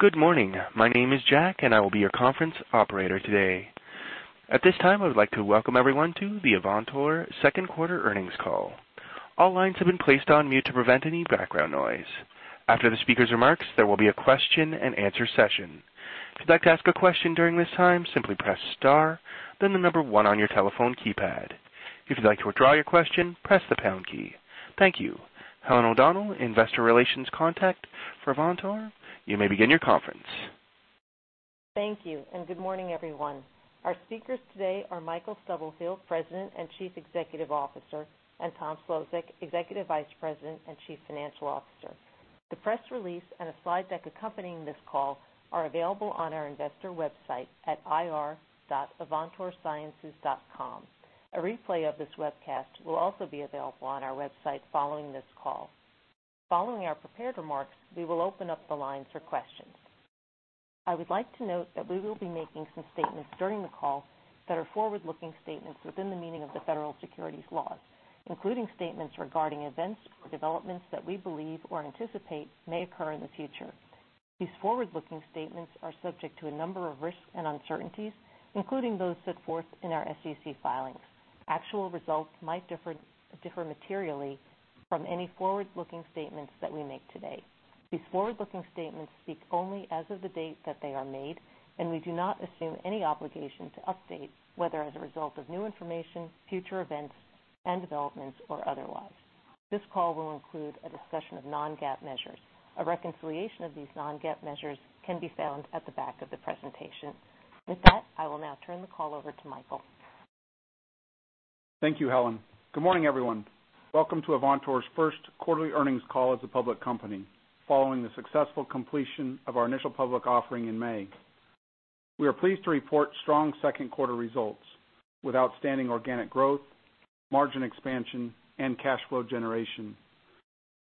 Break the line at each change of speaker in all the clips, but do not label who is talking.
Good morning. My name is Jack, and I will be your conference operator today. At this time, I would like to welcome everyone to the Avantor second quarter earnings call. All lines have been placed on mute to prevent any background noise. After the speaker's remarks, there will be a question and answer session. If you'd like to ask a question during this time, simply press star, then the number 1 on your telephone keypad. If you'd like to withdraw your question, press the pound key. Thank you. Helen O'Donnell, investor relations contact for Avantor, you may begin your conference.
Thank you, good morning, everyone. Our speakers today are Michael Stubblefield, President and Chief Executive Officer, and Tom Szlosek, Executive Vice President and Chief Financial Officer. The press release and a slide deck accompanying this call are available on our investor website at ir.avantorsciences.com. A replay of this webcast will also be available on our website following this call. Following our prepared remarks, we will open up the lines for questions. I would like to note that we will be making some statements during the call that are forward-looking statements within the meaning of the federal securities laws, including statements regarding events or developments that we believe or anticipate may occur in the future. These forward-looking statements are subject to a number of risks and uncertainties, including those set forth in our SEC filings. Actual results might differ materially from any forward-looking statements that we make today. These forward-looking statements speak only as of the date that they are made, and we do not assume any obligation to update, whether as a result of new information, future events and developments, or otherwise. This call will include a discussion of non-GAAP measures. A reconciliation of these non-GAAP measures can be found at the back of the presentation. With that, I will now turn the call over to Michael.
Thank you, Helen. Good morning, everyone. Welcome to Avantor's first quarterly earnings call as a public company following the successful completion of our IPO in May. We are pleased to report strong second quarter results with outstanding organic growth, margin expansion, and cash flow generation.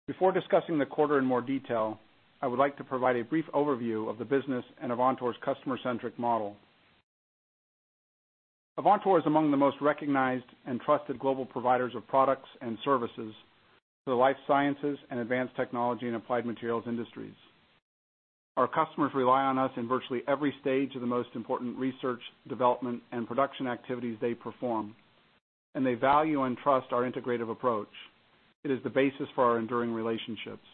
Before discussing the quarter in more detail, I would like to provide a brief overview of the business and Avantor's customer-centric model. Avantor is among the most recognized and trusted global providers of products and services for the life sciences and advanced technology and applied materials industries. Our customers rely on us in virtually every stage of the most important research, development, and production activities they perform, and they value and trust our integrative approach. It is the basis for our enduring relationships.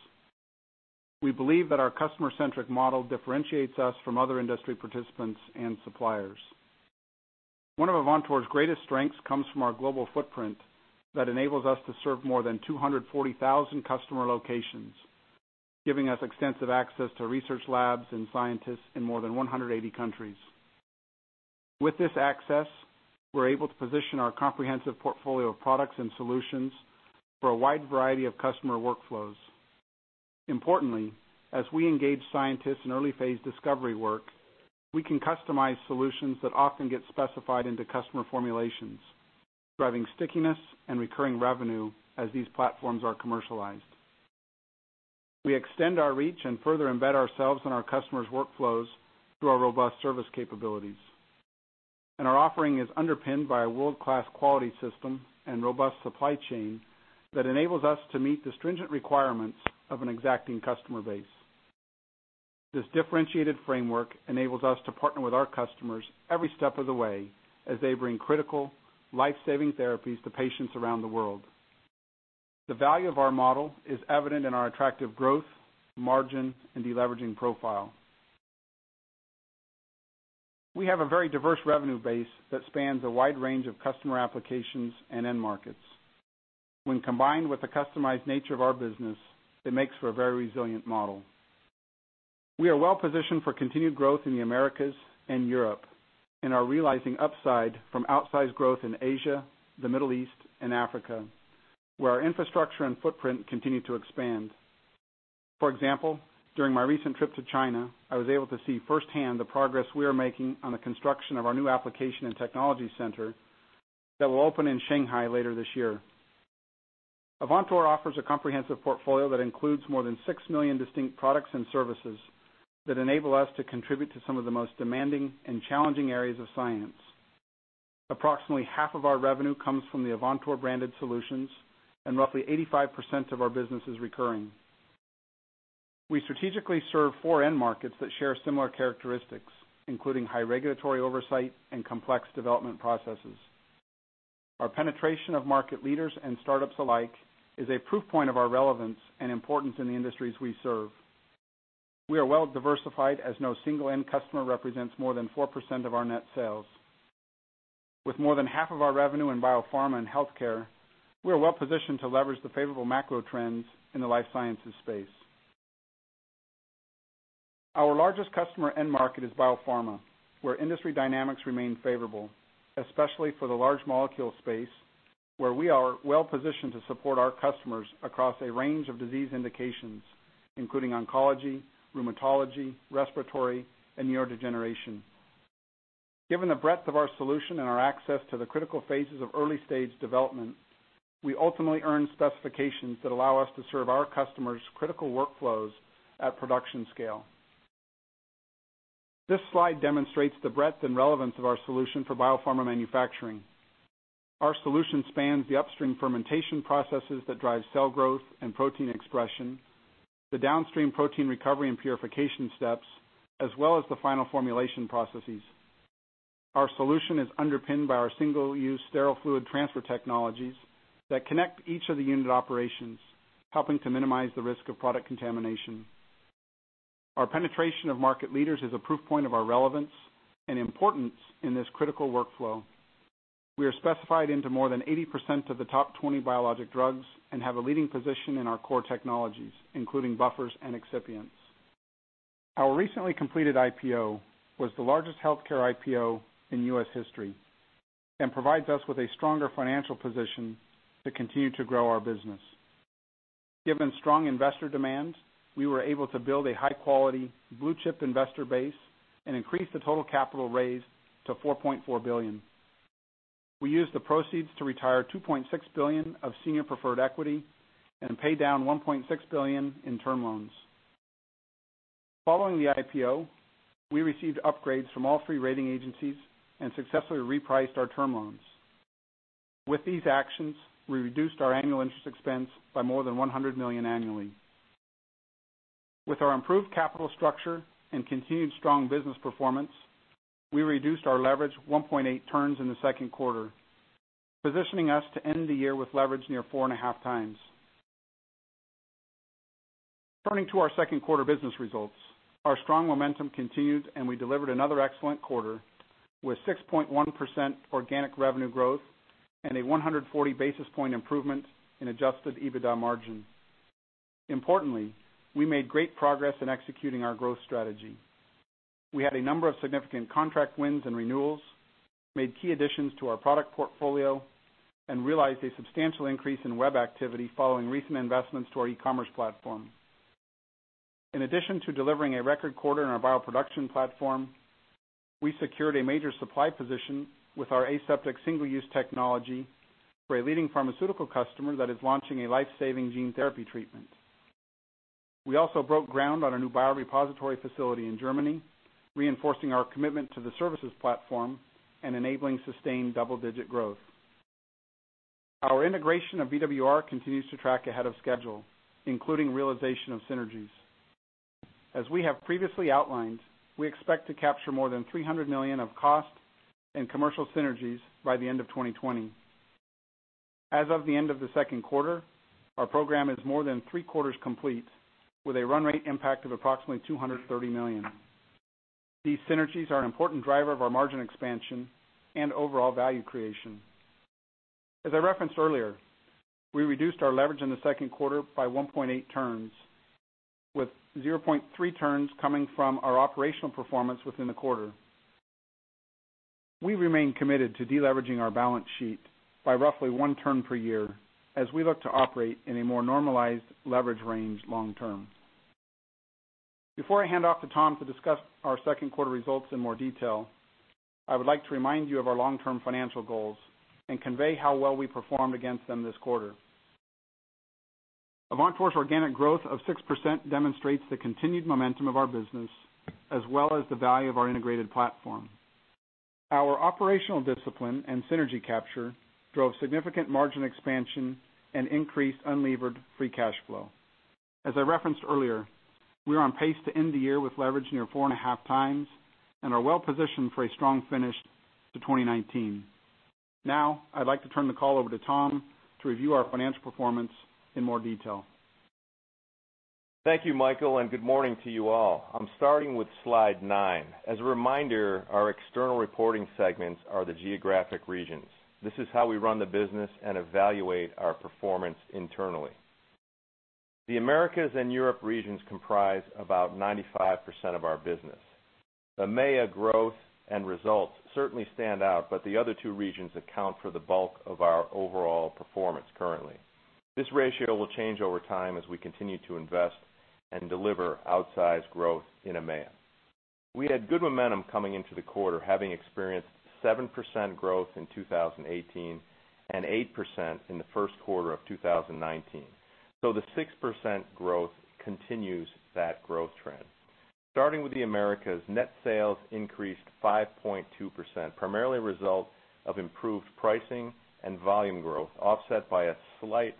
We believe that our customer-centric model differentiates us from other industry participants and suppliers. One of Avantor's greatest strengths comes from our global footprint that enables us to serve more than 240,000 customer locations, giving us extensive access to research labs and scientists in more than 180 countries. With this access, we're able to position our comprehensive portfolio of products and solutions for a wide variety of customer workflows. Importantly, as we engage scientists in early phase discovery work, we can customize solutions that often get specified into customer formulations, driving stickiness and recurring revenue as these platforms are commercialized. We extend our reach and further embed ourselves in our customers' workflows through our robust service capabilities. Our offering is underpinned by a world-class quality system and robust supply chain that enables us to meet the stringent requirements of an exacting customer base. This differentiated framework enables us to partner with our customers every step of the way as they bring critical life-saving therapies to patients around the world. The value of our model is evident in our attractive growth, margin, and deleveraging profile. We have a very diverse revenue base that spans a wide range of customer applications and end markets. When combined with the customized nature of our business, it makes for a very resilient model. We are well-positioned for continued growth in the Americas and Europe and are realizing upside from outsized growth in Asia, the Middle East, and Africa, where our infrastructure and footprint continue to expand. For example, during my recent trip to China, I was able to see firsthand the progress we are making on the construction of our new application and technology center that will open in Shanghai later this year. Avantor offers a comprehensive portfolio that includes more than 6 million distinct products and services that enable us to contribute to some of the most demanding and challenging areas of science. Approximately half of our revenue comes from the Avantor-branded solutions, and roughly 85% of our business is recurring. We strategically serve four end markets that share similar characteristics, including high regulatory oversight and complex development processes. Our penetration of market leaders and startups alike is a proof point of our relevance and importance in the industries we serve. We are well diversified as no single end customer represents more than 4% of our net sales. With more than half of our revenue in biopharma and healthcare, we are well-positioned to leverage the favorable macro trends in the life sciences space. Our largest customer end market is biopharma, where industry dynamics remain favorable, especially for the large molecule space, where we are well-positioned to support our customers across a range of disease indications, including oncology, rheumatology, respiratory, and neurodegeneration. Given the breadth of our solution and our access to the critical phases of early-stage development, we ultimately earn specifications that allow us to serve our customers' critical workflows at production scale. This slide demonstrates the breadth and relevance of our solution for biopharma manufacturing. Our solution spans the upstream fermentation processes that drive cell growth and protein expression, the downstream protein recovery and purification steps, as well as the final formulation processes. Our solution is underpinned by our single-use sterile fluid transfer technologies that connect each of the unit operations, helping to minimize the risk of product contamination. Our penetration of market leaders is a proof point of our relevance and importance in this critical workflow. We are specified into more than 80% of the top 20 biologic drugs and have a leading position in our core technologies, including buffers and excipients. Our recently completed IPO was the largest healthcare IPO in U.S. history and provides us with a stronger financial position to continue to grow our business. Given strong investor demands, we were able to build a high-quality blue-chip investor base and increase the total capital raised to $4.4 billion. We used the proceeds to retire $2.6 billion of senior preferred equity and pay down $1.6 billion in term loans. Following the IPO, we received upgrades from all three rating agencies and successfully repriced our term loans. With these actions, we reduced our annual interest expense by more than $100 million annually. With our improved capital structure and continued strong business performance, we reduced our leverage 1.8 turns in the second quarter, positioning us to end the year with leverage near 4.5 times. Turning to our second quarter business results, our strong momentum continued, and we delivered another excellent quarter with 6.1% organic revenue growth and a 140-basis-point improvement in adjusted EBITDA margin. Importantly, we made great progress in executing our growth strategy. We had a number of significant contract wins and renewals, made key additions to our product portfolio, and realized a substantial increase in web activity following recent investments to our e-commerce platform. In addition to delivering a record quarter in our bioproduction platform, we secured a major supply position with our aseptic single-use technology for a leading pharmaceutical customer that is launching a life-saving gene therapy treatment. We also broke ground on a new biorepository facility in Germany, reinforcing our commitment to the services platform and enabling sustained double-digit growth. Our integration of VWR continues to track ahead of schedule, including realization of synergies. As we have previously outlined, we expect to capture more than $300 million of cost and commercial synergies by the end of 2020. As of the end of the second quarter, our program is more than three-quarters complete with a run rate impact of approximately $230 million. These synergies are an important driver of our margin expansion and overall value creation. As I referenced earlier, we reduced our leverage in the second quarter by 1.8 turns, with 0.3 turns coming from our operational performance within the quarter. We remain committed to deleveraging our balance sheet by roughly one turn per year as we look to operate in a more normalized leverage range long term. Before I hand off to Tom to discuss our second quarter results in more detail, I would like to remind you of our long-term financial goals and convey how well we performed against them this quarter. Avantor's organic growth of 6% demonstrates the continued momentum of our business as well as the value of our integrated platform. Our operational discipline and synergy capture drove significant margin expansion and increased unlevered free cash flow. As I referenced earlier, we are on pace to end the year with leverage near 4.5 times and are well positioned for a strong finish to 2019. Now, I'd like to turn the call over to Tom to review our financial performance in more detail.
Thank you, Michael, and good morning to you all. I'm starting with slide nine. As a reminder, our external reporting segments are the geographic regions. This is how we run the business and evaluate our performance internally. The Americas and Europe regions comprise about 95% of our business. The AMEA growth and results certainly stand out, but the other two regions account for the bulk of our overall performance currently. This ratio will change over time as we continue to invest and deliver outsized growth in AMEA. We had good momentum coming into the quarter, having experienced 7% growth in 2018 and 8% in the first quarter of 2019. The 6% growth continues that growth trend. Starting with the Americas, net sales increased 5.2%, primarily a result of improved pricing and volume growth, offset by a slight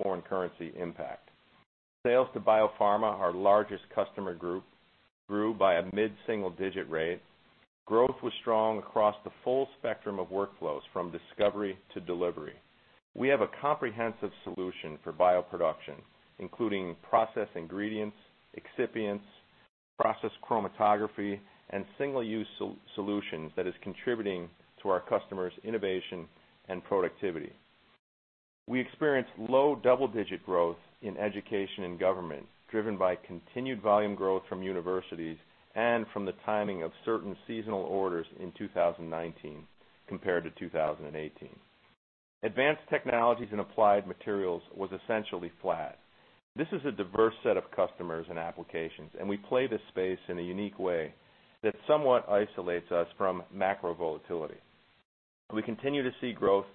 foreign currency impact. Sales to biopharma, our largest customer group, grew by a mid-single-digit rate. Growth was strong across the full spectrum of workflows from discovery to delivery. We have a comprehensive solution for bioproduction, including process ingredients, excipients, process chromatography, and single-use solutions that is contributing to our customers' innovation and productivity. We experienced low double-digit growth in education and government, driven by continued volume growth from universities and from the timing of certain seasonal orders in 2019 compared to 2018. Advanced Technologies and Applied Materials was essentially flat. This is a diverse set of customers and applications, and we play this space in a unique way that somewhat isolates us from macro volatility. We continue to see growth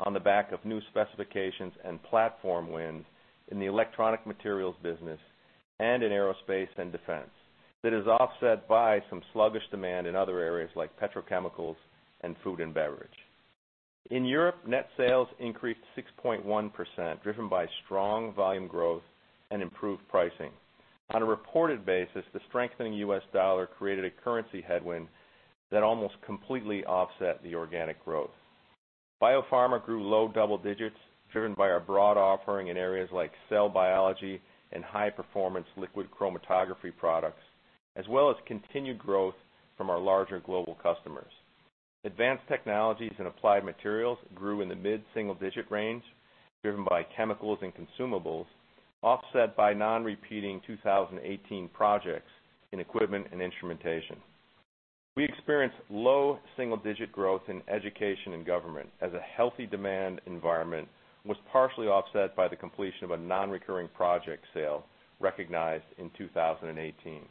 on the back of new specifications and platform wins in the electronic materials business and in aerospace and defense that is offset by some sluggish demand in other areas like petrochemicals and food and beverage. In Europe, net sales increased 6.1%, driven by strong volume growth and improved pricing. On a reported basis, the strengthening U.S. dollar created a currency headwind that almost completely offset the organic growth. Biopharma grew low double digits, driven by our broad offering in areas like cell biology and high-performance liquid chromatography products, as well as continued growth from our larger global customers. Advanced technologies and applied materials grew in the mid-single-digit range, driven by chemicals and consumables, offset by non-repeating 2018 projects in equipment and instrumentation. We experienced low single-digit growth in education and government as a healthy demand environment was partially offset by the completion of a non-recurring project sale recognized in 2018.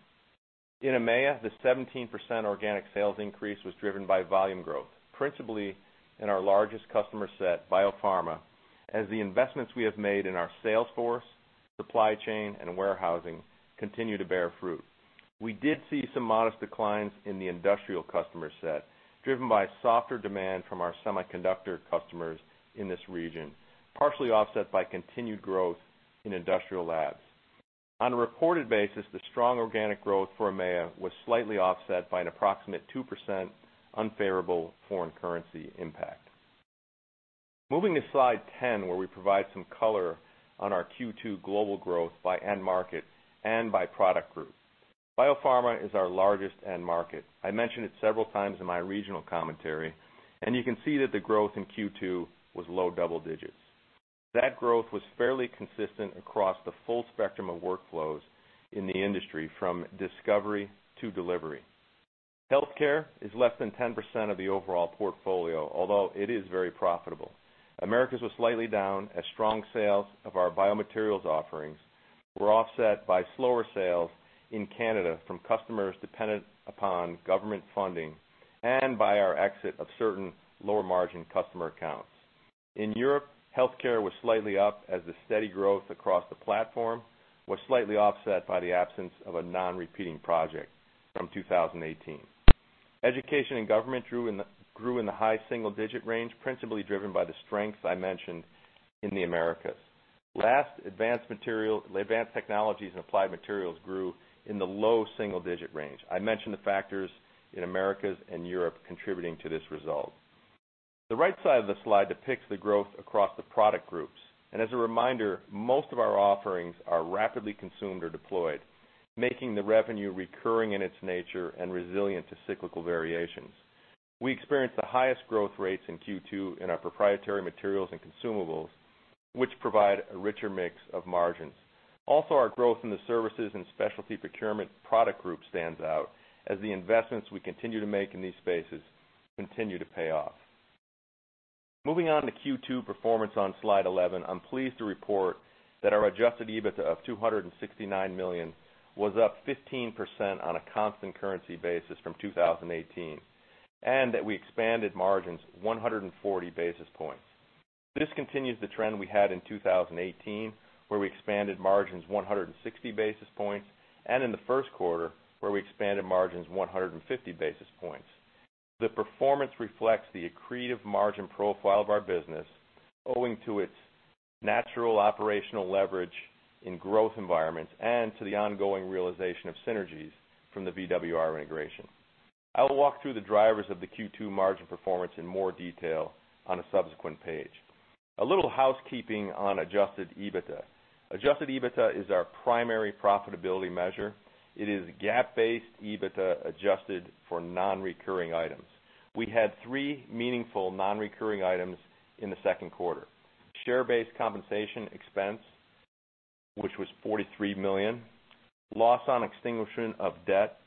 In AMEA, the 17% organic sales increase was driven by volume growth, principally in our largest customer set, biopharma, as the investments we have made in our sales force, supply chain, and warehousing continue to bear fruit. We did see some modest declines in the industrial customer set, driven by softer demand from our semiconductor customers in this region, partially offset by continued growth in industrial labs. On a reported basis, the strong organic growth for AMEA was slightly offset by an approximate 2% unfavorable foreign currency impact. Moving to slide 10, where we provide some color on our Q2 global growth by end market and by product group. Biopharma is our largest end market. I mentioned it several times in my regional commentary, and you can see that the growth in Q2 was low double digits. That growth was fairly consistent across the full spectrum of workflows in the industry, from discovery to delivery. Healthcare is less than 10% of the overall portfolio, although it is very profitable. Americas was slightly down as strong sales of our biomaterials offerings were offset by slower sales in Canada from customers dependent upon government funding and by our exit of certain lower-margin customer accounts. In Europe, Healthcare was slightly up as the steady growth across the platform was slightly offset by the absence of a non-repeating project from 2018. Education and government grew in the high single-digit range, principally driven by the strength I mentioned in the Americas. Last, advanced technologies and applied materials grew in the low single-digit range. I mentioned the factors in Americas and Europe contributing to this result. The right side of the slide depicts the growth across the product groups. As a reminder, most of our offerings are rapidly consumed or deployed, making the revenue recurring in its nature and resilient to cyclical variations. We experienced the highest growth rates in Q2 in our proprietary materials and consumables, which provide a richer mix of margins. Also, our growth in the services and specialty procurement product group stands out, as the investments we continue to make in these spaces continue to pay off. Moving on to Q2 performance on slide 11, I'm pleased to report that our adjusted EBITDA of $269 million was up 15% on a constant currency basis from 2018, and that we expanded margins 140 basis points. This continues the trend we had in 2018, where we expanded margins 160 basis points, and in the first quarter, where we expanded margins 150 basis points. The performance reflects the accretive margin profile of our business, owing to its natural operational leverage in growth environments and to the ongoing realization of synergies from the VWR integration. I will walk through the drivers of the Q2 margin performance in more detail on a subsequent page. A little housekeeping on adjusted EBITDA. Adjusted EBITDA is our primary profitability measure. It is GAAP-based EBITDA adjusted for non-recurring items. We had three meaningful non-recurring items in the second quarter. Share-based compensation expense, which was $43 million, loss on extinguishment of debt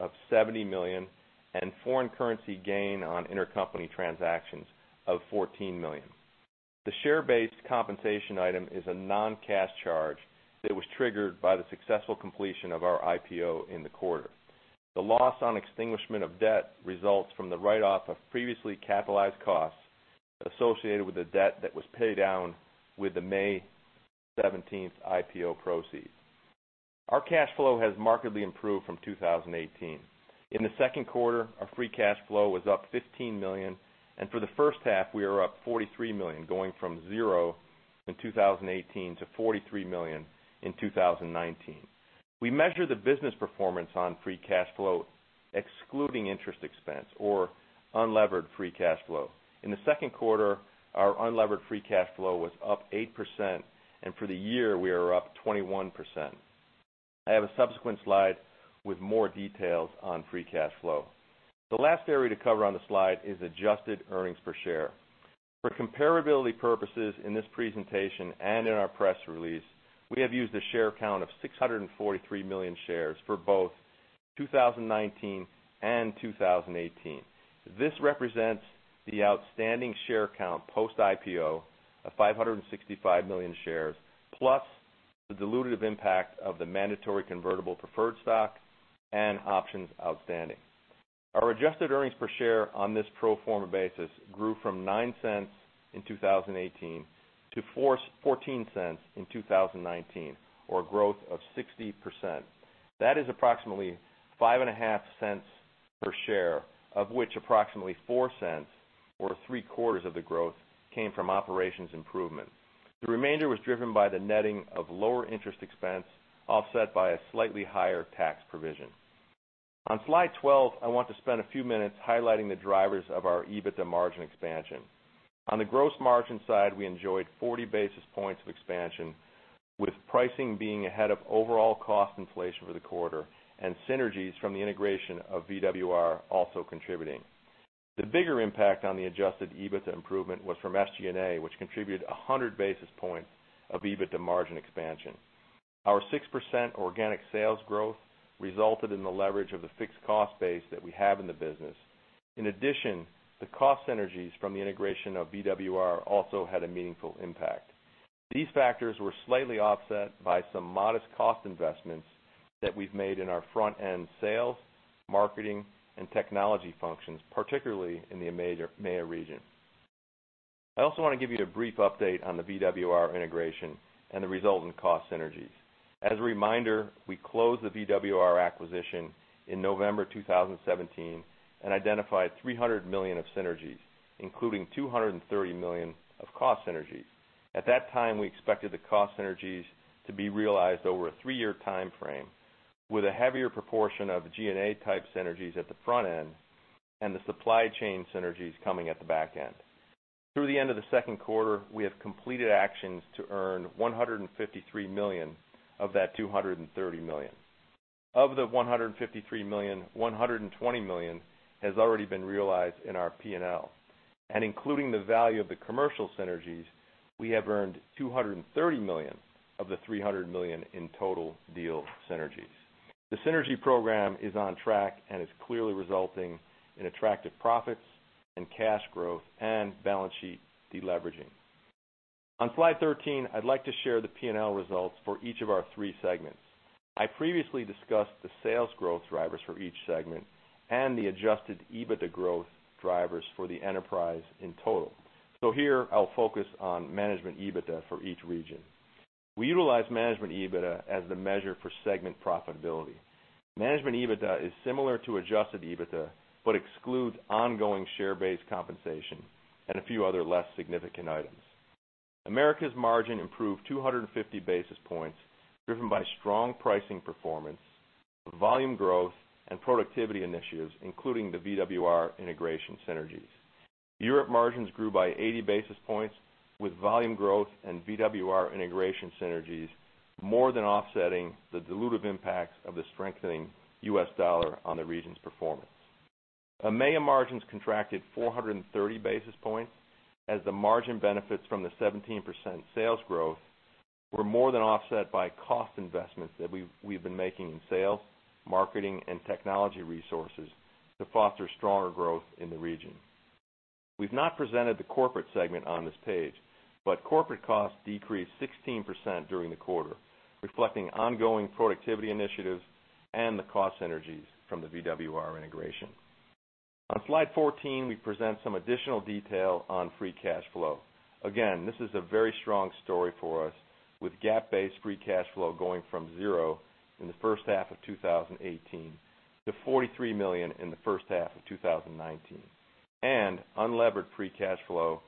of $70 million, and foreign currency gain on intercompany transactions of $14 million. The share-based compensation item is a non-cash charge that was triggered by the successful completion of our IPO in the quarter. The loss on extinguishment of debt results from the write-off of previously capitalized costs associated with the debt that was paid down with the May 17th IPO proceeds. Our cash flow has markedly improved from 2018. In the second quarter, our free cash flow was up $15 million, and for the first half, we are up $43 million, going from zero in 2018 to $43 million in 2019. We measure the business performance on free cash flow, excluding interest expense or unlevered free cash flow. In the second quarter, our unlevered free cash flow was up 8%, and for the year, we are up 21%. I have a subsequent slide with more details on free cash flow. The last area to cover on the slide is adjusted earnings per share. For comparability purposes in this presentation and in our press release, we have used a share count of 643 million shares for both 2019 and 2018. This represents the outstanding share count post-IPO of 565 million shares, plus the dilutive impact of the mandatory convertible preferred stock and options outstanding. Our adjusted earnings per share on this pro forma basis grew from $0.09 in 2018 to $0.14 in 2019, or a growth of 60%. That is approximately $0.055 per share, of which approximately $0.04, or three-quarters of the growth, came from operations improvement. The remainder was driven by the netting of lower interest expense, offset by a slightly higher tax provision. On slide 12, I want to spend a few minutes highlighting the drivers of our EBITDA margin expansion. On the gross margin side, we enjoyed 40 basis points of expansion, with pricing being ahead of overall cost inflation for the quarter, and synergies from the integration of VWR also contributing. The bigger impact on the adjusted EBITDA improvement was from SG&A, which contributed 100 basis points of EBITDA margin expansion. Our 6% organic sales growth resulted in the leverage of the fixed cost base that we have in the business. In addition, the cost synergies from the integration of VWR also had a meaningful impact. These factors were slightly offset by some modest cost investments that we've made in our front-end sales, marketing, and technology functions, particularly in the AMEA region. I also want to give you a brief update on the VWR integration and the resultant cost synergies. As a reminder, we closed the VWR acquisition in November 2017 and identified $300 million of synergies, including $230 million of cost synergies. At that time, we expected the cost synergies to be realized over a three-year timeframe, with a heavier proportion of G&A type synergies at the front end, and the supply chain synergies coming at the back end. Through the end of the second quarter, we have completed actions to earn $153 million of that $230 million. Of the $153 million, $120 million has already been realized in our P&L. Including the value of the commercial synergies, we have earned $230 million of the $300 million in total deal synergies. The synergy program is on track and is clearly resulting in attractive profits and cash growth and balance sheet deleveraging. On slide 13, I'd like to share the P&L results for each of our three segments. I previously discussed the sales growth drivers for each segment and the adjusted EBITDA growth drivers for the enterprise in total. Here I'll focus on management EBITDA for each region. We utilize management EBITDA as the measure for segment profitability. Management EBITDA is similar to adjusted EBITDA, but excludes ongoing share-based compensation and a few other less significant items. Americas margin improved 250 basis points, driven by strong pricing performance, volume growth, and productivity initiatives, including the VWR integration synergies. Europe margins grew by 80 basis points, with volume growth and VWR integration synergies more than offsetting the dilutive impacts of the strengthening U.S. dollar on the region's performance. AMEA margins contracted 430 basis points as the margin benefits from the 17% sales growth were more than offset by cost investments that we've been making in sales, marketing, and technology resources to foster stronger growth in the region. We've not presented the corporate segment on this page, but corporate costs decreased 16% during the quarter, reflecting ongoing productivity initiatives and the cost synergies from the VWR integration. On slide 14, we present some additional detail on free cash flow. Again, this is a very strong story for us, with GAAP-based free cash flow going from zero in the first half of 2018 to $43 million in the first half of 2019, and unlevered free cash flow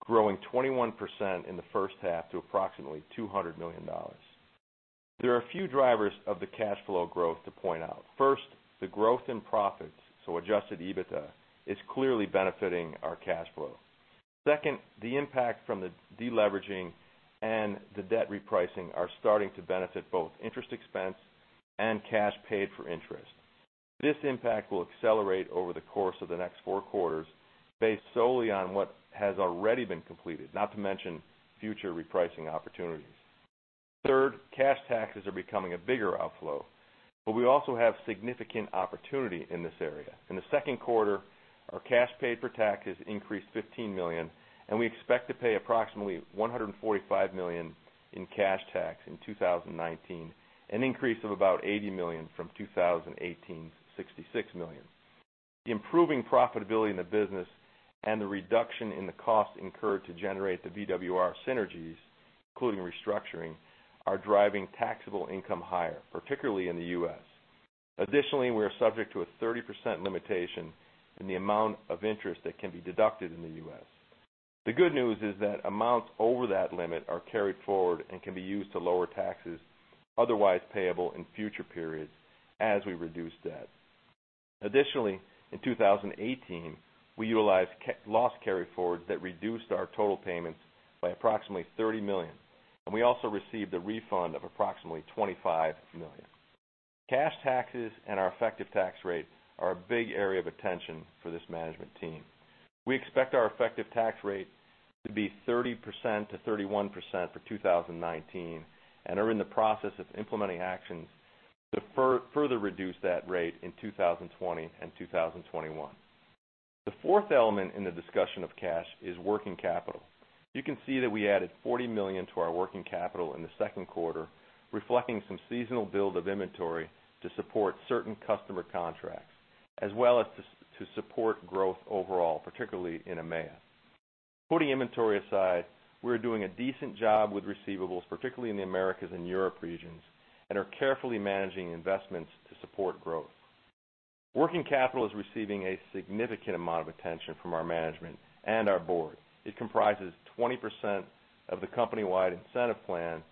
growing 21% in the first half to approximately $200 million. There are a few drivers of the cash flow growth to point out. First, the growth in profits, so adjusted EBITDA, is clearly benefiting our cash flow. Second, the impact from the deleveraging and the debt repricing are starting to benefit both interest expense and cash paid for interest. This impact will accelerate over the course of the next four quarters based solely on what has already been completed, not to mention future repricing opportunities. Third, cash taxes are becoming a bigger outflow, but we also have significant opportunity in this area. In the second quarter, our cash paid for taxes increased $15 million, and we expect to pay approximately $145 million in cash tax in 2019, an increase of about $80 million from 2018's $66 million. The improving profitability in the business and the reduction in the cost incurred to generate the VWR synergies, including restructuring, are driving taxable income higher, particularly in the U.S. Additionally, we are subject to a 30% limitation in the amount of interest that can be deducted in the U.S. The good news is that amounts over that limit are carried forward and can be used to lower taxes otherwise payable in future periods as we reduce debt. Additionally, in 2018, we utilized loss carry-forwards that reduced our total payments by approximately $30 million, and we also received a refund of approximately $25 million. Cash taxes and our effective tax rate are a big area of attention for this management team. We expect our effective tax rate to be 30%-31% for 2019 and are in the process of implementing actions to further reduce that rate in 2020 and 2021. The fourth element in the discussion of cash is working capital. You can see that we added $40 million to our working capital in the second quarter, reflecting some seasonal build of inventory to support certain customer contracts, as well as to support growth overall, particularly in AMEA. Putting inventory aside, we are doing a decent job with receivables, particularly in the Americas and Europe regions, and are carefully managing investments to support growth. Working capital is receiving a significant amount of attention from our management and our board. It comprises 20% of the company-wide incentive plan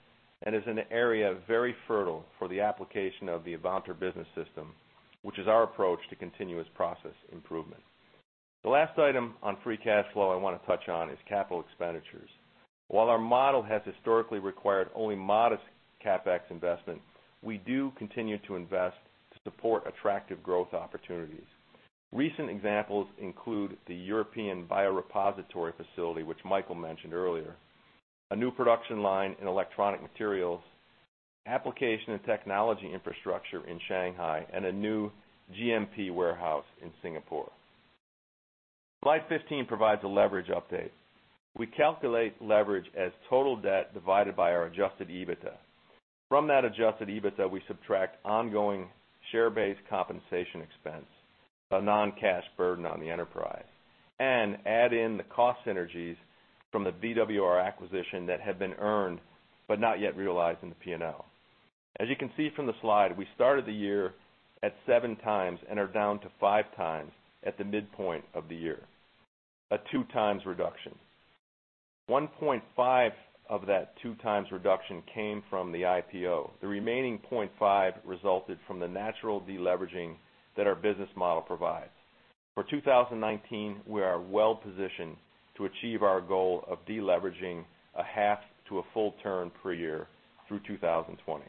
and is an area very fertile for the application of the Avantor Business System, which is our approach to continuous process improvement. The last item on free cash flow I want to touch on is capital expenditures. While our model has historically required only modest CapEx investment, we do continue to invest to support attractive growth opportunities. Recent examples include the European biorepository facility, which Michael mentioned earlier, a new production line in electronic materials, application and technology infrastructure in Shanghai, and a new GMP warehouse in Singapore. Slide 15 provides a leverage update. We calculate leverage as total debt divided by our adjusted EBITDA. From that adjusted EBITDA, we subtract ongoing share-based compensation expense, a non-cash burden on the enterprise, and add in the cost synergies from the VWR acquisition that had been earned, but not yet realized in the P&L. As you can see from the slide, we started the year at seven times and are down to five times at the midpoint of the year. A two times reduction. 1.5 of that two times reduction came from the IPO. The remaining 0.5 resulted from the natural deleveraging that our business model provides. For 2019, we are well-positioned to achieve our goal of deleveraging a half to a full turn per year through 2020.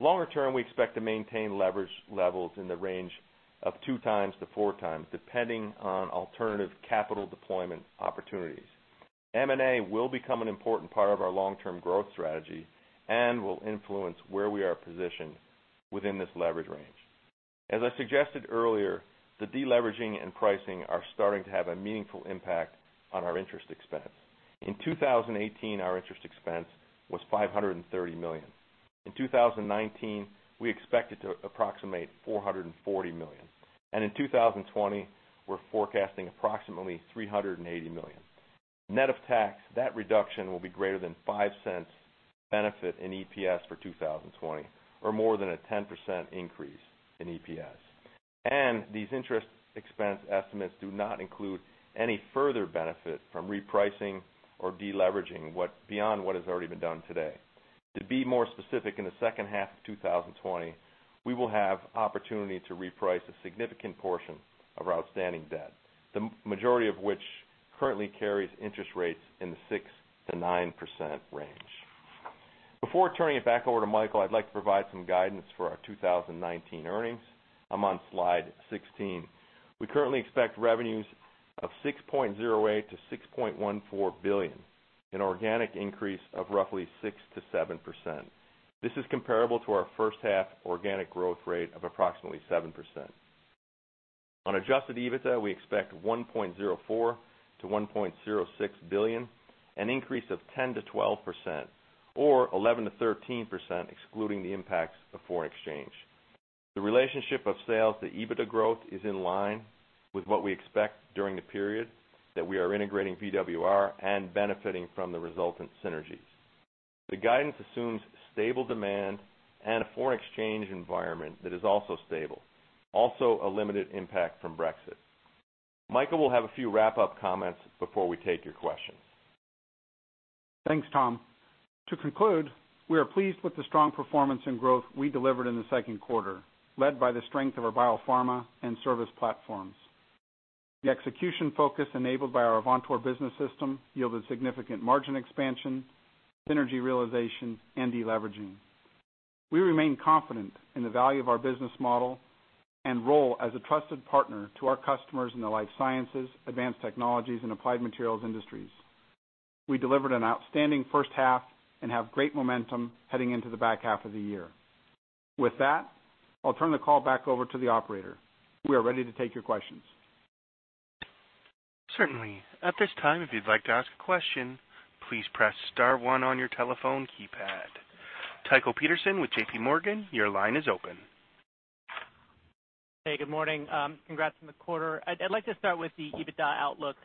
Longer term, we expect to maintain leverage levels in the range of two times to four times, depending on alternative capital deployment opportunities. M&A will become an important part of our long-term growth strategy and will influence where we are positioned within this leverage range. As I suggested earlier, the deleveraging and pricing are starting to have a meaningful impact on our interest expense. In 2018, our interest expense was $530 million. In 2019, we expect it to approximate $440 million. In 2020, we're forecasting approximately $380 million. Net of tax, that reduction will be greater than $0.05 benefit in EPS for 2020, or more than a 10% increase in EPS. These interest expense estimates do not include any further benefit from repricing or deleveraging beyond what has already been done today. To be more specific, in the second half of 2020, we will have opportunity to reprice a significant portion of our outstanding debt, the majority of which currently carries interest rates in the 6%-9% range. Before turning it back over to Michael, I'd like to provide some guidance for our 2019 earnings. I'm on slide 16. We currently expect revenues of $6.08 billion-$6.14 billion, an organic increase of roughly 6%-7%. This is comparable to our first-half organic growth rate of approximately 7%. On adjusted EBITDA, we expect $1.04 billion-$1.06 billion, an increase of 10%-12%, or 11%-13% excluding the impacts of foreign exchange. The relationship of sales to EBITDA growth is in line with what we expect during the period that we are integrating VWR and benefiting from the resultant synergies. The guidance assumes stable demand and a foreign exchange environment that is also stable, also a limited impact from Brexit. Michael will have a few wrap-up comments before we take your questions.
Thanks, Tom. To conclude, we are pleased with the strong performance and growth we delivered in the second quarter, led by the strength of our biopharma and service platforms. The execution focus enabled by our Avantor Business System yielded significant margin expansion, synergy realization, and deleveraging. We remain confident in the value of our business model and role as a trusted partner to our customers in the life sciences, advanced technologies, and applied materials industries. We delivered an outstanding first half and have great momentum heading into the back half of the year. With that, I'll turn the call back over to the operator. We are ready to take your questions.
Certainly. At this time, if you'd like to ask a question, please press *1 on your telephone keypad. Tycho Peterson with J.P. Morgan, your line is open.
Hey, good morning. Congrats on the quarter. I'd like to start with the EBITDA outlook.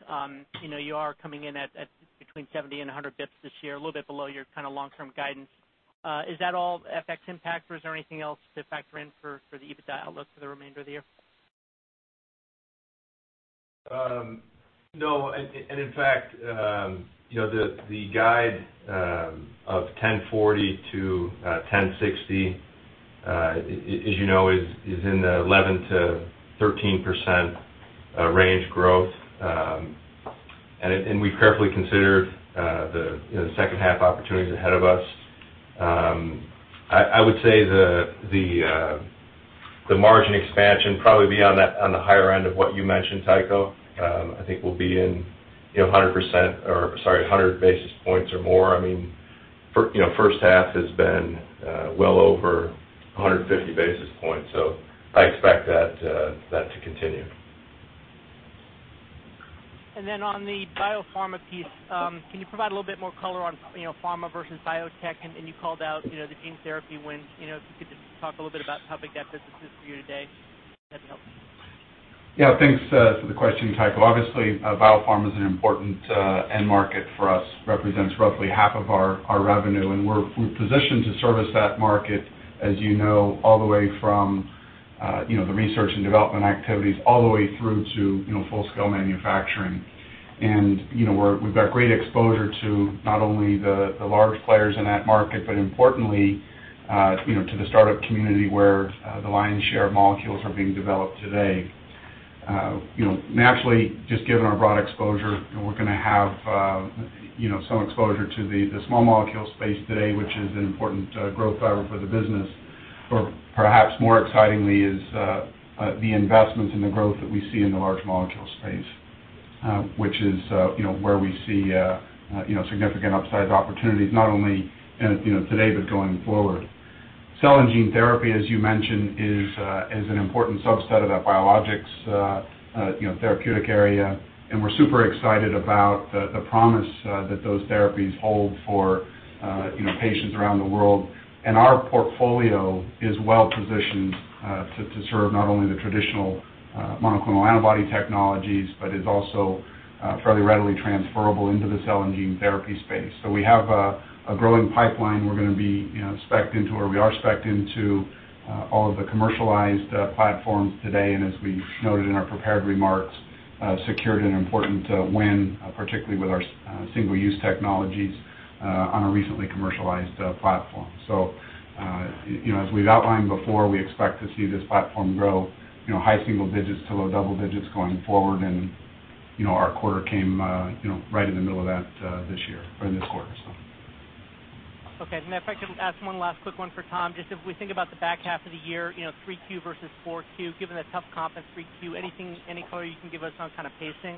You are coming in at between 70 and 100 basis points this year, a little bit below your long-term guidance. Is that all FX impact, or is there anything else to factor in for the EBITDA outlook for the remainder of the year?
No. In fact, the guide of $10.40-$10.60, as you know, is in the 11%-13% range growth. We've carefully considered the second half opportunities ahead of us. I would say the margin expansion probably be on the higher end of what you mentioned, Tycho. I think we'll be in 100 basis points or more. I mean First half has been well over 150 basis points. I expect that to continue.
On the biopharma piece, can you provide a little bit more color on pharma versus biotech? You called out the gene therapy win. If you could just talk a little bit about how big that business is for you today, that'd be helpful.
Yeah. Thanks for the question, Tycho. Obviously, biopharma is an important end market for us. Represents roughly half of our revenue, and we're positioned to service that market, as you know, all the way from the research and development activities all the way through to full-scale manufacturing. We've got great exposure to not only the large players in that market, but importantly, to the startup community where the lion's share of molecules are being developed today. Naturally, just given our broad exposure, we're going to have some exposure to the small molecule space today, which is an important growth driver for the business. Perhaps more excitingly, is the investments in the growth that we see in the large molecule space, which is where we see significant upside opportunities, not only today, but going forward. Cell and gene therapy, as you mentioned, is an important subset of that biologics therapeutic area, we're super excited about the promise that those therapies hold for patients around the world. Our portfolio is well-positioned to serve not only the traditional monoclonal antibody technologies, but is also fairly readily transferable into the cell and gene therapy space. We have a growing pipeline we're going to be specced into, or we are specced into all of the commercialized platforms today. As we noted in our prepared remarks, secured an important win, particularly with our single-use technologies, on a recently commercialized platform. As we've outlined before, we expect to see this platform grow high single digits to low double digits going forward. Our quarter came right in the middle of that this year or in this quarter.
Okay. If I could ask one last quick one for Tom. Just if we think about the back half of the year, 3Q versus 4Q, given the tough comp in 3Q, any color you can give us on kind of pacing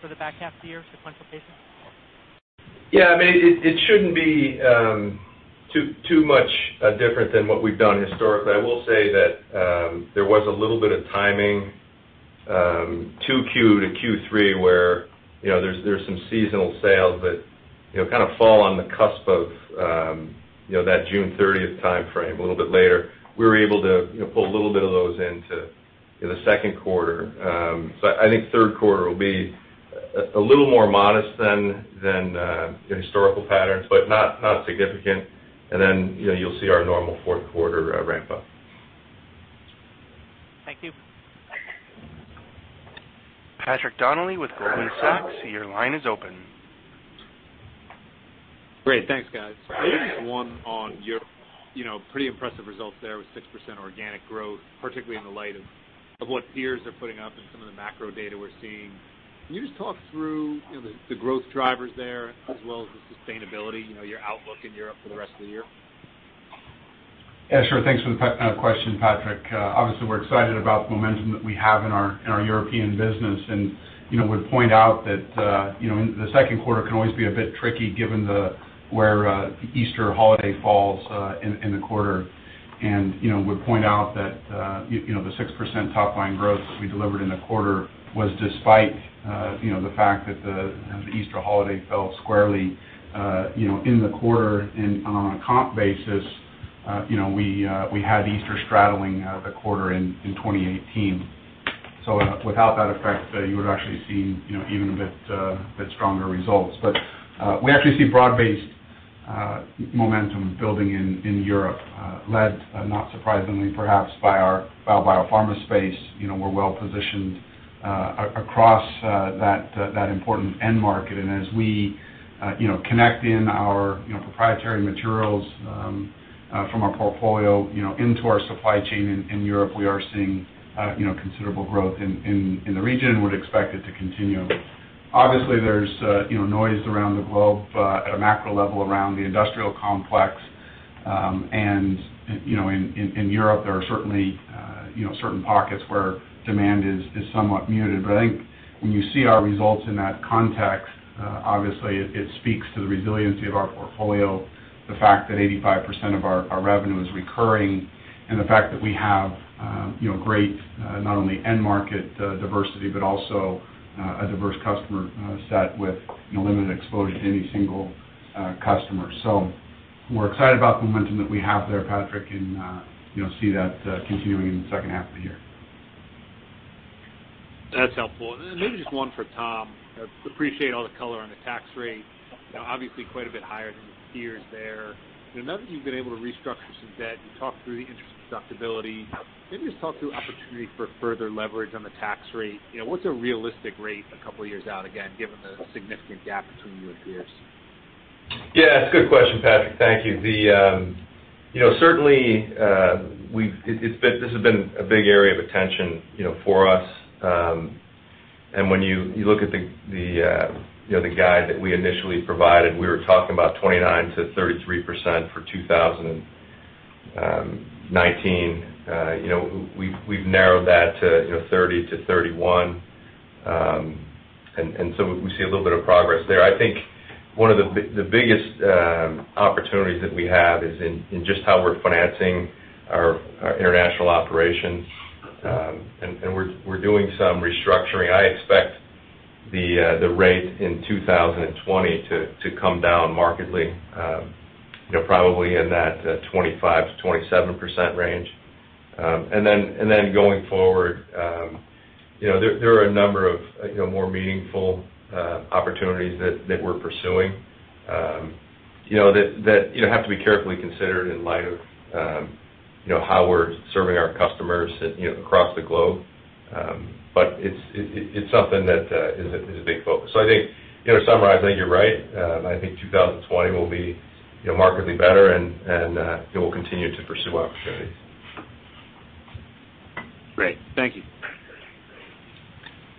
for the back half of the year, sequential pacing?
Yeah. It shouldn't be too much different than what we've done historically. I will say that there was a little bit of timing, 2Q to Q3, where there's some seasonal sales that kind of fall on the cusp of that June 30th timeframe, a little bit later. We were able to pull a little bit of those into the second quarter. I think third quarter will be a little more modest than the historical patterns, but not significant. You'll see our normal fourth quarter ramp up.
Thank you.
Patrick Donnelly with Goldman Sachs, your line is open.
Great. Thanks, guys. Maybe just one on your pretty impressive results there with 6% organic growth, particularly in the light of what peers are putting up and some of the macro data we're seeing. Can you just talk through the growth drivers there as well as the sustainability, your outlook in Europe for the rest of the year?
Yeah, sure. Thanks for the question, Patrick. Obviously, we're excited about the momentum that we have in our European business, and would point out that the second quarter can always be a bit tricky given where the Easter holiday falls in the quarter. Would point out that the 6% top line growth we delivered in the quarter was despite the fact that the Easter holiday fell squarely in the quarter. On a comp basis, we had Easter straddling the quarter in 2018. Without that effect, you would actually have seen even a bit stronger results. We actually see broad-based momentum building in Europe, led, not surprisingly perhaps, by our biopharma space. We're well positioned across that important end market. As we connect in our proprietary materials from our portfolio into our supply chain in Europe, we are seeing considerable growth in the region and would expect it to continue. Obviously, there's noise around the globe at a macro level around the industrial complex. In Europe, there are certainly certain pockets where demand is somewhat muted. I think when you see our results in that context, obviously, it speaks to the resiliency of our portfolio, the fact that 85% of our revenue is recurring, and the fact that we have great not only end market diversity, but also a diverse customer set with limited exposure to any single customer. We're excited about the momentum that we have there, Patrick, and see that continuing in the second half of the year.
That's helpful. Maybe just one for Tom. Appreciate all the color on the tax rate. Obviously quite a bit higher than the peers there. Now that you've been able to restructure some debt, you talked through the interest deductibility. Maybe just talk through opportunity for further leverage on the tax rate. What's a realistic rate a couple of years out, again, given the significant gap between you and peers?
Yeah. It's a good question, Patrick. Thank you. Certainly, this has been a big area of attention for us. When you look at the guide that we initially provided, we were talking about 29%-33% for 2024, 2019, we've narrowed that to 30-31. We see a little bit of progress there. I think one of the biggest opportunities that we have is in just how we're financing our international operations. We're doing some restructuring. I expect the rate in 2020 to come down markedly, probably in that 25%-27% range. Going forward, there are a number of more meaningful opportunities that we're pursuing, that have to be carefully considered in light of how we're serving our customers across the globe. It's something that is a big focus. I think, Sam, I think you're right. I think 2020 will be markedly better, and we'll continue to pursue our opportunities.
Great. Thank you.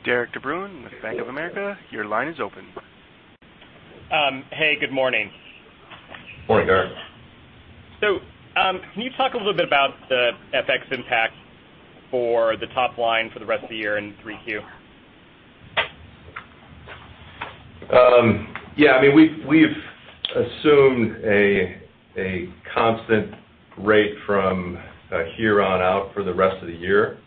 Derik de Bruin with Bank of America, your line is open.
Hey, good morning.
Morning, Derik.
Can you talk a little bit about the FX impact for the top line for the rest of the year in 3Q?
Yeah. We've assumed a constant rate from here on out for the rest of the year.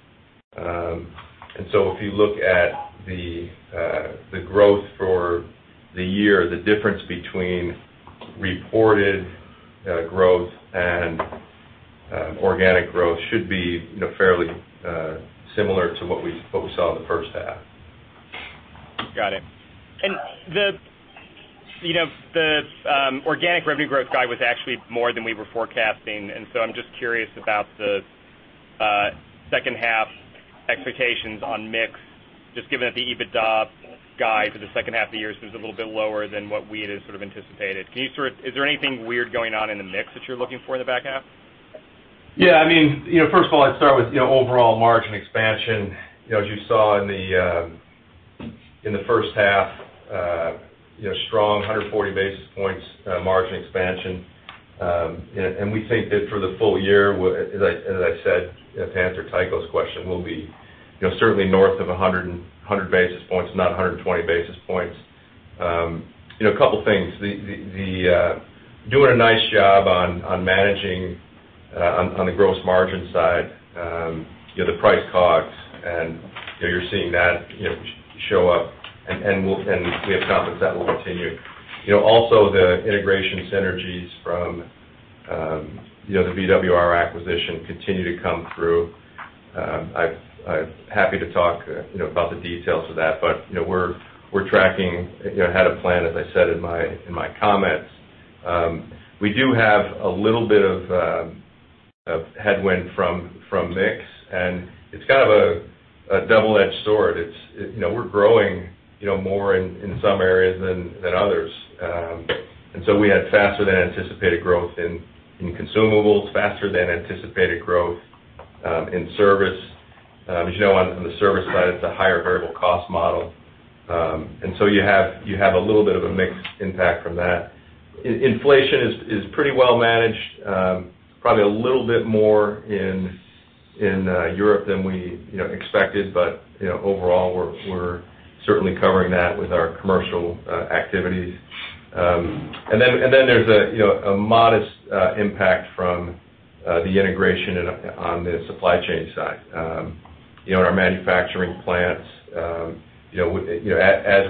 If you look at the growth for the year, the difference between reported growth and organic growth should be fairly similar to what we saw in the first half.
Got it. The organic revenue growth guide was actually more than we were forecasting. I'm just curious about the second half expectations on mix, just given that the EBITDA guide for the second half of the year seems a little bit lower than what we had sort of anticipated. Is there anything weird going on in the mix that you're looking for in the back half?
Yeah, first of all, I'd start with overall margin expansion. As you saw in the first half, strong 140 basis points margin expansion. We think that for the full year, as I said, to answer Tycho's question, we'll be certainly north of 100 basis points, not 120 basis points. A couple things. Doing a nice job on managing on the gross margin side, the price COGS, and you're seeing that show up, and we have confidence that will continue. Also, the integration synergies from the VWR acquisition continue to come through. I'm happy to talk about the details of that. We're tracking ahead of plan, as I said in my comments. We do have a little bit of a headwind from mix, and it's kind of a double-edged sword. We're growing more in some areas than others. We had faster than anticipated growth in consumables, faster than anticipated growth in service. As you know, on the service side, it's a higher variable cost model. You have a little bit of a mix impact from that. Inflation is pretty well managed, probably a little bit more in Europe than we expected. Overall, we're certainly covering that with our commercial activities. There's a modest impact from the integration on the supply chain side. Our manufacturing plants, as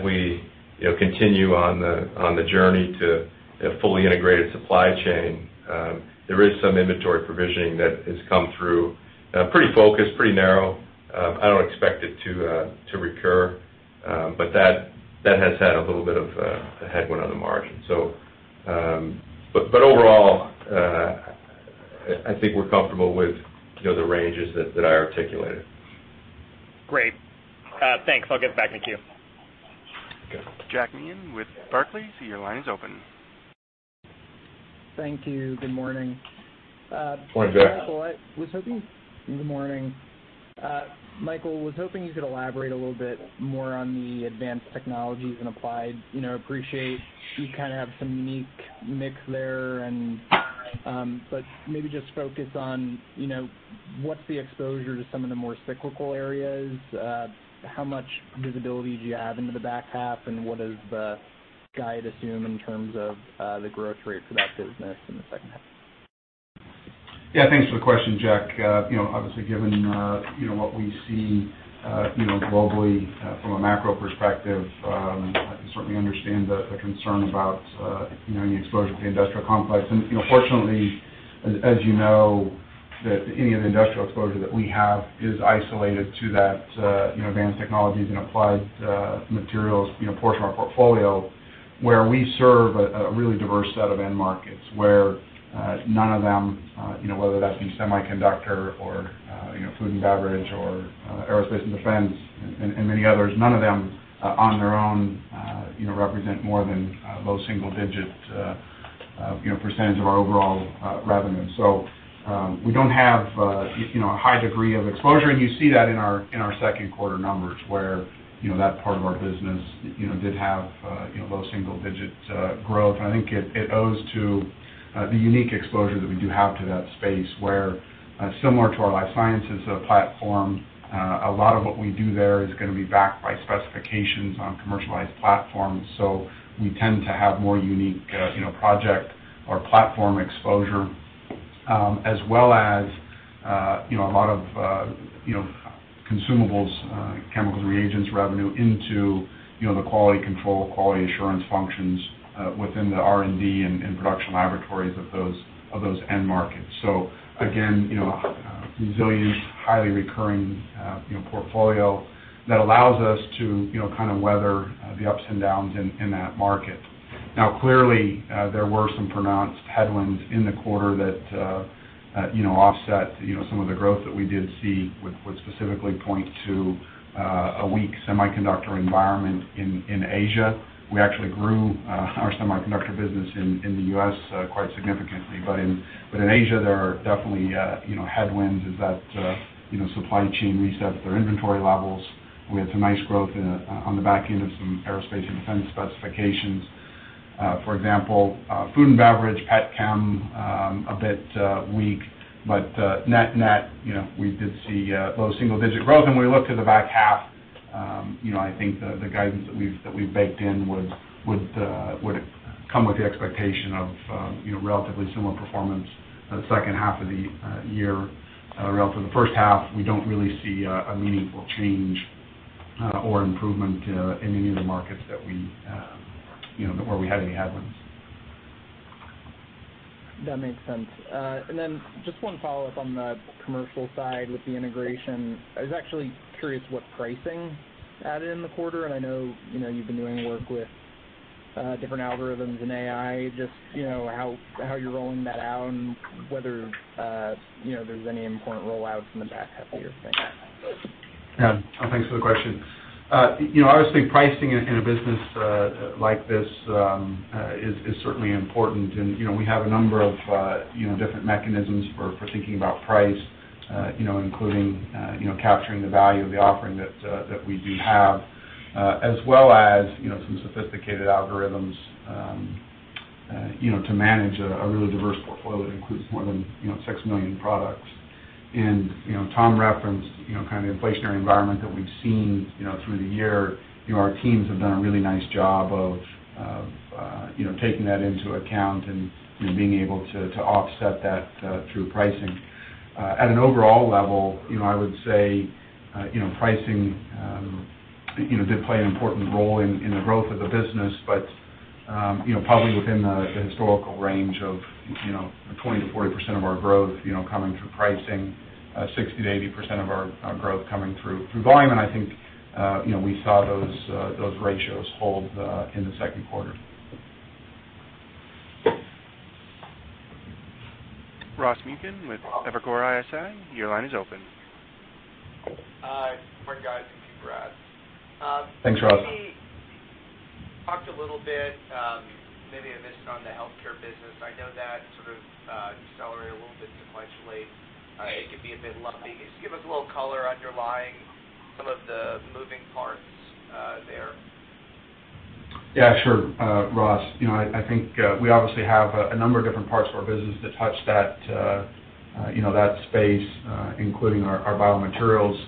we continue on the journey to a fully integrated supply chain, there is some inventory provisioning that has come through. Pretty focused, pretty narrow. I don't expect it to recur. That has had a little bit of a headwind on the margin. Overall, I think we're comfortable with the ranges that I articulated.
Great. Thanks. I'll get back in queue.
Okay.
Jack Meehan with Barclays, your line is open.
Thank you. Good morning.
Morning, Jack.
Good morning. Michael, was hoping you could elaborate a little bit more on the Advanced Technologies and Applied. Appreciate you kind of have some unique mix there but maybe just focus on what's the exposure to some of the more cyclical areas, how much visibility do you have into the back half, and what does the guide assume in terms of the growth rate for that business in the second half?
Yeah, thanks for the question, Jack. Obviously, given what we see globally from a macro perspective, I can certainly understand the concern about the exposure to the industrial complex. Fortunately, as you know, any of the industrial exposure that we have is isolated to that Advanced Technologies and Applied Materials portion of our portfolio, where we serve a really diverse set of end markets, where none of them, whether that be semiconductor or food and beverage or aerospace and defense and many others, none of them on their own Represent more than low single-digit % of our overall revenue. We don't have a high degree of exposure, and you see that in our second quarter numbers where that part of our business did have low single-digit growth. I think it owes to the unique exposure that we do have to that space where, similar to our life sciences platform, a lot of what we do there is going to be backed by specifications on commercialized platforms. We tend to have more unique project or platform exposure, as well as a lot of consumables, chemical reagents revenue into the quality control, quality assurance functions within the R&D and production laboratories of those end markets. Again, resilient, highly recurring portfolio that allows us to weather the ups and downs in that market. Clearly, there were some pronounced headwinds in the quarter that offset some of the growth that we did see, would specifically point to a weak semiconductor environment in Asia. We actually grew our semiconductor business in the U.S. quite significantly. In Asia, there are definitely headwinds as that supply chain resets their inventory levels. We had some nice growth on the back end of some aerospace and defense specifications. For example, food and beverage, petrochem, a bit weak, but net, we did see low single-digit growth. When we look to the back half, I think the guidance that we've baked in would come with the expectation of relatively similar performance the second half of the year. Relative to the first half, we don't really see a meaningful change or improvement in any of the markets where we had any headwinds.
That makes sense. Then just one follow-up on the commercial side with the integration. I was actually curious what pricing added in the quarter, and I know you've been doing work with different algorithms and AI, just how you're rolling that out and whether there's any important rollouts in the back half of the year planned.
Yeah. Thanks for the question. Obviously, pricing in a business like this is certainly important, and we have a number of different mechanisms for thinking about price, including capturing the value of the offering that we do have, as well as some sophisticated algorithms to manage a really diverse portfolio that includes more than 6 million products. Tom referenced inflationary environment that we've seen through the year. Our teams have done a really nice job of taking that into account and being able to offset that through pricing. At an overall level, I would say, pricing did play an important role in the growth of the business, but probably within the historical range of 20%-40% of our growth coming through pricing, 60%-80% of our growth coming through volume. I think we saw those ratios hold in the second quarter.
Ross Muken with Evercore ISI, your line is open.
Hi, good morning, guys, and congrats.
Thanks, Ross.
Maybe you talked a little bit, maybe I missed it on the healthcare business. I know that sort of accelerated a little bit sequentially. It can be a bit lumpy. Can you just give us a little color underlying some of the moving parts there?
Yeah, sure. Ross, I think we obviously have a number of different parts of our business that touch that space, including our biomaterials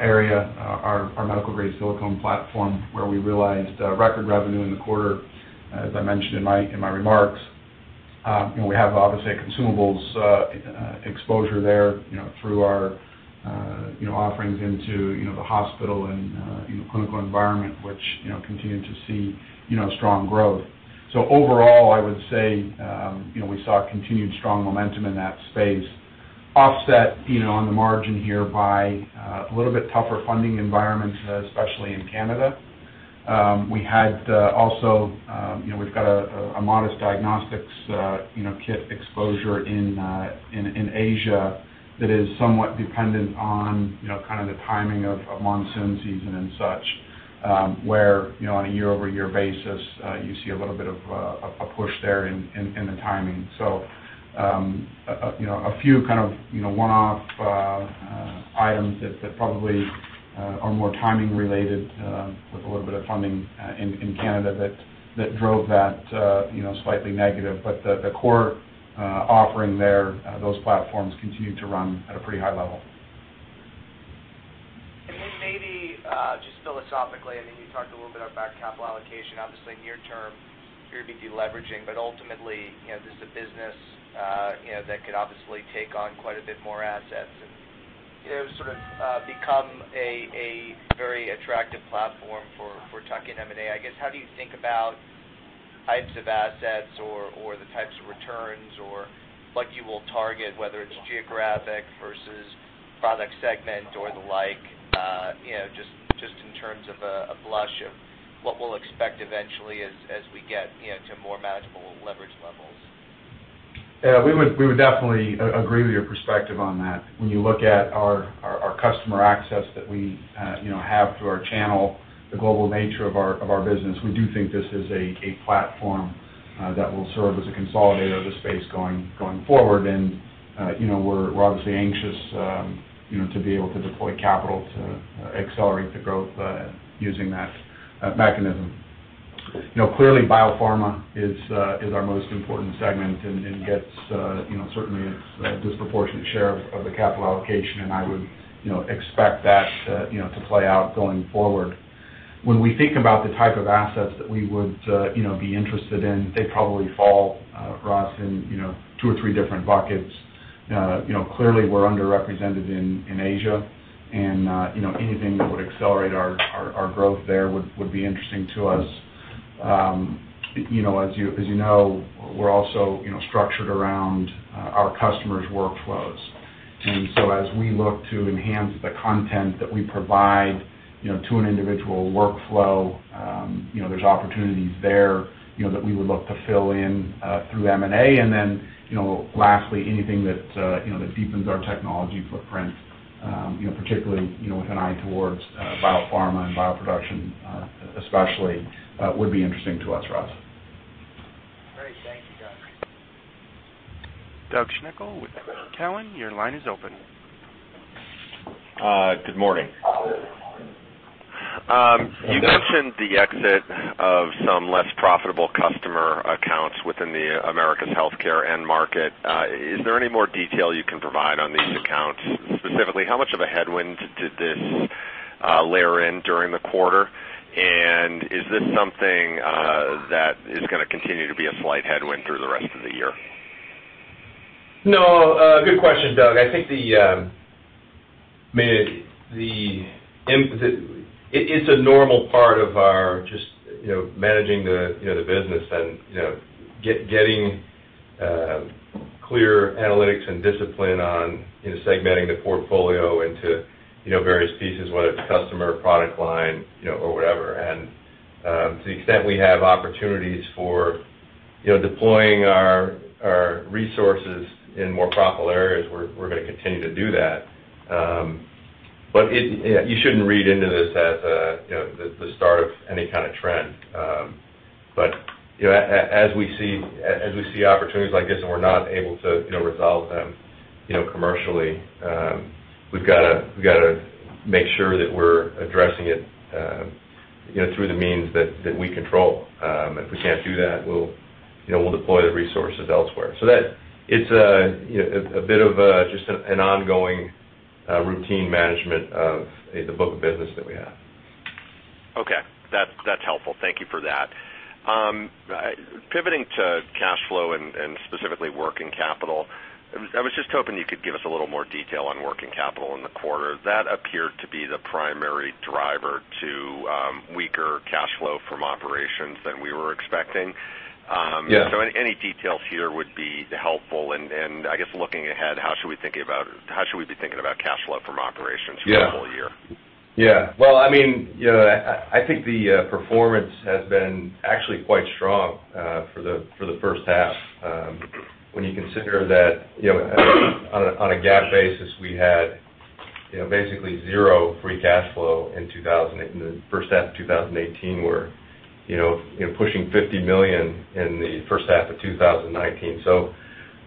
area, our medical grade silicone platform where we realized record revenue in the quarter, as I mentioned in my remarks. We have, obviously, consumables exposure there through our offerings into the hospital and clinical environment, which continued to see strong growth. Overall, I would say, we saw continued strong momentum in that space offset on the margin here by a little bit tougher funding environment, especially in Canada. We've got a modest diagnostics kit exposure in Asia that is somewhat dependent on kind of the timing of monsoon season and such, where on a year-over-year basis, you see a little bit of a push there in the timing. A few kind of one-off items that probably are more timing related with a little bit of funding in Canada that drove that slightly negative. The core offering there, those platforms continue to run at a pretty high level.
Then maybe just philosophically, I think you talked a little bit about capital allocation. Obviously, near term, you're going to be de-leveraging, but ultimately, this is a business that could obviously take on quite a bit more assets and sort of become a very attractive platform for tuck-in M&A. I guess, how do you think about types of assets or the types of returns or what you will target, whether it's geographic versus product segment or the like, just in terms of a blush of what we'll expect eventually as we get to more manageable leverage levels?
Yeah, we would definitely agree with your perspective on that. When you look at our customer access that we have through our channel, the global nature of our business, we do think this is a platform that will serve as a consolidator of the space going forward. We're obviously anxious to be able to deploy capital to accelerate the growth using that mechanism. Clearly, biopharma is our most important segment and gets certainly a disproportionate share of the capital allocation, and I would expect that to play out going forward. When we think about the type of assets that we would be interested in, they probably fall, Ross, in 2 or 3 different buckets. Clearly, we're underrepresented in Asia, and anything that would accelerate our growth there would be interesting to us. As you know, we're also structured around our customers' workflows. As we look to enhance the content that we provide to an individual workflow, there's opportunities there that we would look to fill in through M&A. Lastly, anything that deepens our technology footprint, particularly with an eye towards biopharma and bioproduction especially, would be interesting to us, Ross.
Great. Thank you, Doug. Doug Schenkel with Cowen, your line is open.
Good morning. You mentioned the exit of some less profitable customer accounts within the Americas healthcare end market. Is there any more detail you can provide on these accounts? Specifically, how much of a headwind did this layer in during the quarter? Is this something that is going to continue to be a slight headwind through the rest of the year?
No. Good question, Doug. I think it's a normal part of our just managing the business and getting clear analytics and discipline on segmenting the portfolio into various pieces, whether it's customer, product line, or whatever. To the extent we have opportunities for deploying our resources in more profitable areas, we're going to continue to do that. You shouldn't read into this as the start of any kind of trend. As we see opportunities like this and we're not able to resolve them commercially, we've got to make sure that we're addressing it through the means that we control. If we can't do that, we'll deploy the resources elsewhere. That is a bit of just an ongoing routine management of the book of business that we have.
Okay. That's helpful. Thank you for that. Pivoting to cash flow and specifically working capital, I was just hoping you could give us a little more detail on working capital in the quarter. That appeared to be the primary driver to weaker cash flow from operations than we were expecting.
Yeah.
Any details here would be helpful. I guess looking ahead, how should we be thinking about cash flow from operations?
Yeah
for the full year?
Yeah. Well, I think the performance has been actually quite strong for the first half. When you consider that on a GAAP basis, we had basically $0 free cash flow in the first half of 2018. We're pushing $50 million in the first half of 2019. On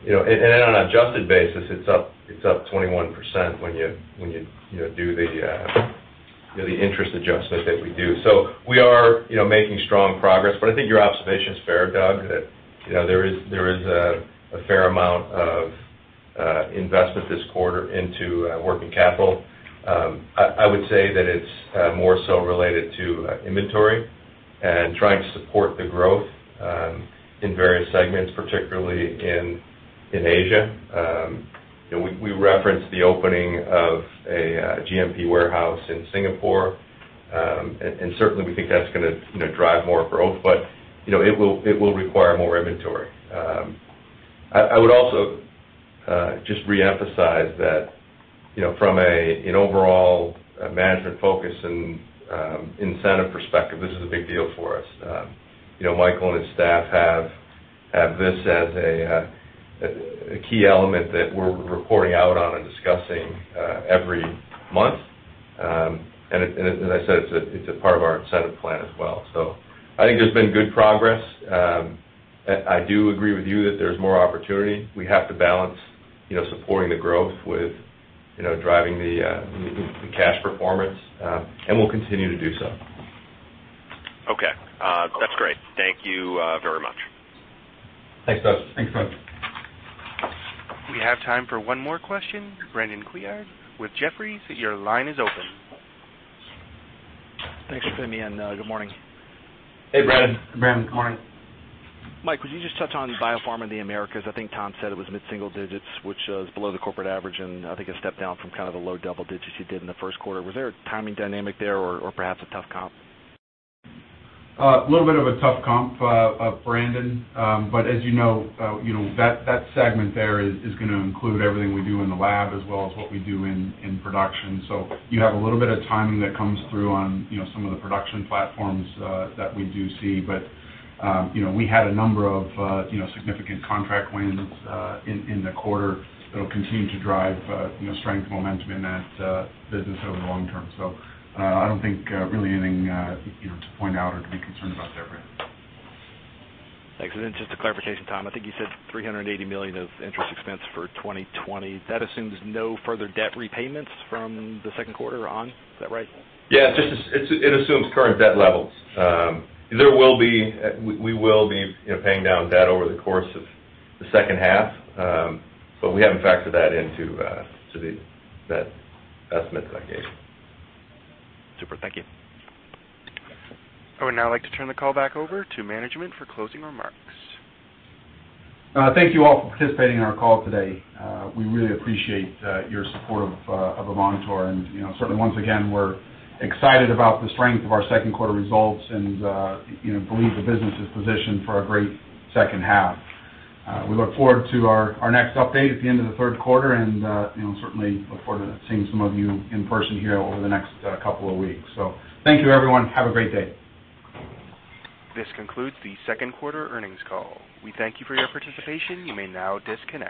an adjusted basis, it's up 21% when you do the interest adjustment that we do. We are making strong progress, but I think your observation is fair, Doug, that there is a fair amount of investment this quarter into working capital. I would say that it's more so related to inventory and trying to support the growth in various segments, particularly in Asia. We referenced the opening of a GMP warehouse in Singapore, and certainly we think that's going to drive more growth, but it will require more inventory. I would also just reemphasize that from an overall management focus and incentive perspective, this is a big deal for us. Michael and his staff have this as a key element that we're reporting out on and discussing every month. As I said, it's a part of our incentive plan as well. I think there's been good progress. I do agree with you that there's more opportunity. We have to balance supporting the growth with driving the cash performance, and we'll continue to do so.
Okay. That's great. Thank you very much.
Thanks, Doug.
We have time for one more question. Brandon Couillard with Jefferies, your line is open.
Thanks for putting me in. Good morning.
Hey, Brandon. Good morning.
Mike, could you just touch on biopharma in the Americas? I think Tom said it was mid-single digits, which is below the corporate average, and I think a step down from kind of the low double digits you did in the first quarter. Was there a timing dynamic there or perhaps a tough comp?
A little bit of a tough comp, Brandon. As you know, that segment there is going to include everything we do in the lab as well as what we do in production. You have a little bit of timing that comes through on some of the production platforms that we do see. We had a number of significant contract wins in the quarter that'll continue to drive strength momentum in that business over the long term. I don't think really anything to point out or to be concerned about there, Brandon.
Thanks. Then just a clarification, Tom, I think you said $380 million of interest expense for 2020. That assumes no further debt repayments from the second quarter on. Is that right?
Yeah, it assumes current debt levels. We will be paying down debt over the course of the second half, but we haven't factored that into the estimates I gave.
Super. Thank you.
I would now like to turn the call back over to management for closing remarks.
Thank you all for participating in our call today. We really appreciate your support of Avantor. Certainly, once again, we're excited about the strength of our second quarter results and believe the business is positioned for a great second half. We look forward to our next update at the end of the third quarter, and certainly look forward to seeing some of you in person here over the next couple of weeks. Thank you, everyone. Have a great day.
This concludes the second quarter earnings call. We thank you for your participation. You may now disconnect.